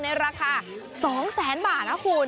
ในราคา๒๐๐๐๐๐บาทนะคุณ